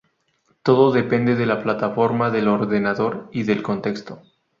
Todo depende de la plataforma del ordenador y del contexto.